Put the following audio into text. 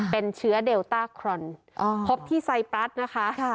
เป็นเชื้อเดลต้าครอนพบที่ไซปรัสนะคะ